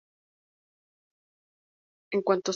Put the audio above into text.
En cuanto se enfría, vuelve a desaparecer.